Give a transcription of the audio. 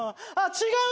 違う！